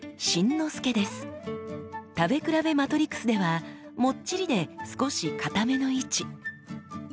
「食べ比べマトリクス」ではもっちりで少しかための位置。